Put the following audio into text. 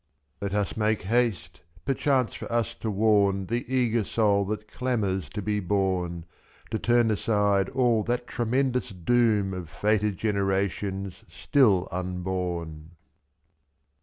Let us make haste, perchance for us to warn The eager soul that clamours to be born, I'f^To turn aside all that tremendous doom Of fated generations still unborn.